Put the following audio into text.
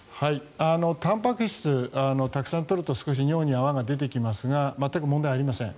たんぱく質をたくさん取ると尿に少し泡が出てきますが全く問題ありません。